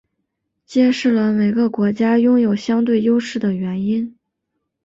揭示了每个国家拥有相对优势的原因。